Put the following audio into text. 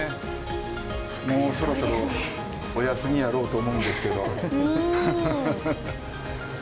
もうそろそろお休みやろうと思うんですけどね。